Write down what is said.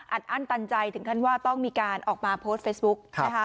อัดอั้นตันใจถึงท่านว่าต้องมีการออกมาโพสต์เฟซบุ๊ก